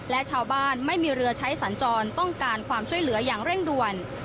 และชาวบ้านไม่มีเรือใช้สัญจรต้องการความช่วยเหลืออย่างเร่งด่วน